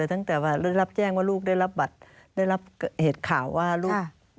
ตั้งแต่ได้รับแจ้งว่าลูกได้รับบัตรได้รับเหตุข่าวว่าลูก